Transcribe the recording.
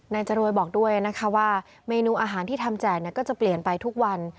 จรวยบอกด้วยนะคะว่าเมนูอาหารที่ทำแจกก็จะเปลี่ยนไปทุกวัน